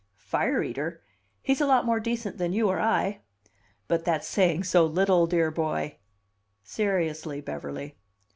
"Fire eater! He's a lot more decent than you or I." "But that's saying so little, dear boy!" "Seriously, Beverly."